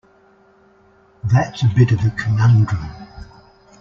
That's a bit of a conundrum!